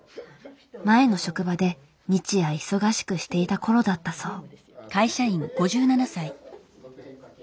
前の職場で日夜忙しくしていた頃だったそう。